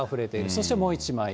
そしてもう１枚。